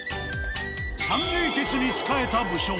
三英傑に仕えた武将